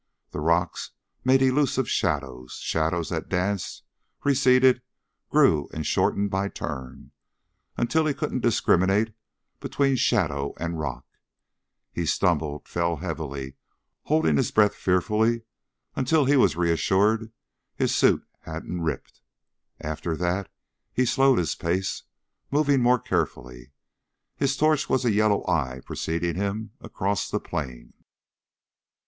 The rocks made elusive shadows shadows that danced, receded, grew and shortened by turn, until he couldn't discriminate between shadow and rock. He stumbled fell heavily holding his breath fearfully until he was re assured his suit hadn't ripped. After that he slowed his pace, moving more carefully. His torch was a yellow eye preceding him across the plain.